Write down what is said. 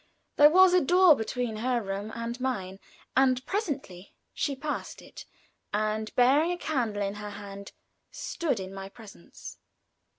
There was a door between her room and mine, and presently she passed it, and bearing a candle in her hand, stood in my presence.